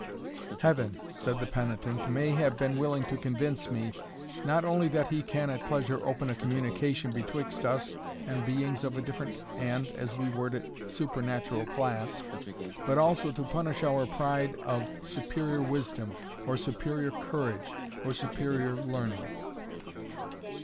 "Heaven," said the penitent, "may have been willing to convince me, not only that he can at pleasure open a communication betwixt us and beings of a different, and, as we word it, supernatural class, but also to punish our pride of superior wisdom, or superior courage, or superior learning."